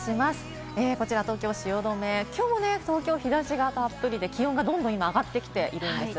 こちら東京・汐留、今日も東京は日差しがたっぷりで気温がどんどん今、上がってきています。